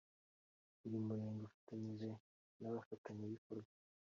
Buri murenge ufatanyije n abafatanyabikorwa